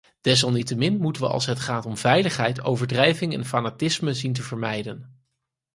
Desalniettemin moeten we als het gaat om veiligheid overdrijving en fanatisme zien te vermijden.